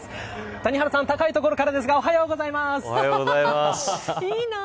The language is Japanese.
谷原さん、高い所からですがおはようございます。